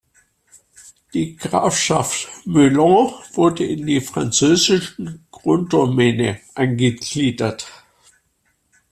Die Grafschaft Meulan wurde in die französischen Krondomäne eingegliedert.